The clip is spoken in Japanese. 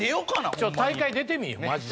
ちょっと大会出てみマジで。